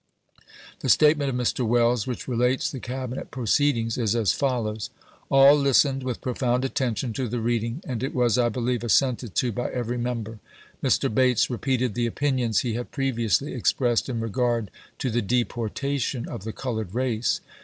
The statement of Mr. Welles whicli relates the Cabinet proceedings is as follows : All listened with profound attention to the reading, and it was, I believe, assented to by every member. Mr. Bates repeated the opinions he had previously expressed in regard to the deportation of the colored race.